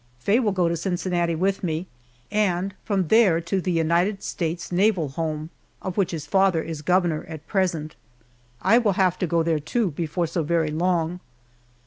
Faye will go to Cincinnati with me, and from there to the United States Naval Home, of which his father is governor at present. I will have to go there, too, before so very long.